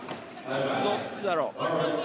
どっちだろう。